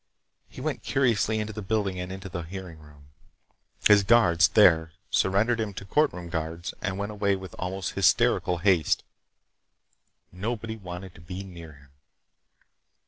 He went curiously into the building and into the hearing room. His guards, there, surrendered him to courtroom guards and went away with almost hysterical haste. Nobody wanted to be near him.